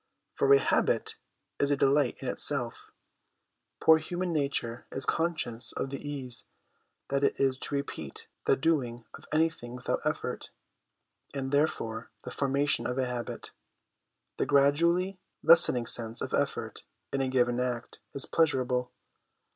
For a habit is a delight in itself; poor human nature is conscious of the ease that it is to repeat the doing of anything without effort ; and, therefore, the formation of a habit, the gradually lessening sense of effort in a given act, is pleasurable.